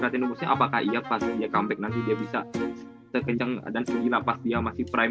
raten umusnya apakah ia pasti dia comeback nanti dia bisa sekencang dan seginap pas dia masih prime